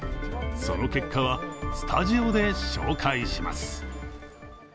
その結果はスタジオで紹介します。